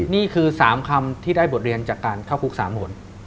นี่คือ๓คำที่ได้บทเรียนจากการเข้าคุก๓หน